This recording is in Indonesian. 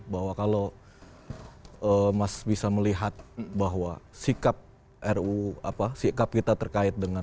bahwa kalau mas bisa melihat bahwa sikap kita terkait dengan